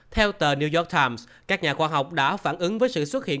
theo tờ new york times các nhà khoa học đã phản ứng với sự xuất hiện